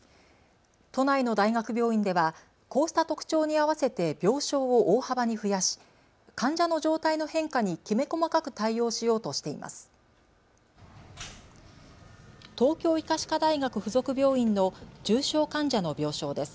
都内の大学病院では、こうした特徴に合わせて病床を大幅に増やし患者の状態の変化にきめ細かく対応しようとしています。